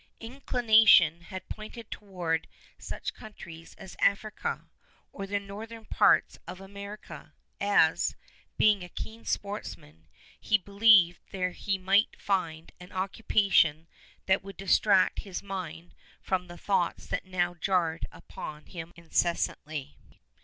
Inclination had pointed toward such countries as Africa, or the northern parts of America, as, being a keen sportsman, he believed there he might find an occupation that would distract his mind from the thoughts that now jarred upon him incessantly.